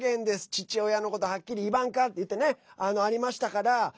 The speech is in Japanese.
父親のこと「はっきりイバンカ」っていってね、ありましたから。